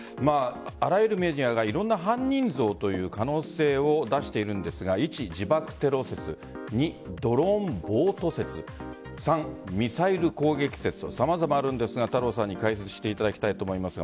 あらゆるメディアがいろんな犯人像という可能性を出しているんですが１、自爆テロ説２、ドローン・ボート説３、ミサイル攻撃説と様々あるんですが太郎さんに解説していただきたいと思います。